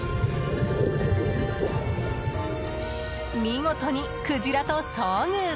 見事にクジラと遭遇！